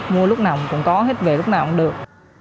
mua lúc nào cũng có hết về lúc nào cũng được